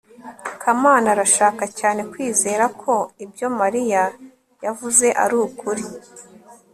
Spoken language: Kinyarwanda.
kamana arashaka cyane kwizera ko ibyo mariya yavuze ari ukuri